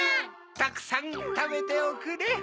たくさんたべておくれ。